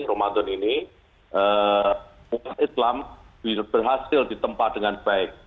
umat islam berhasil ditempa dengan baik